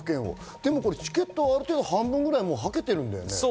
でもチケットをある程度、半分ぐらいはけてるんだよね。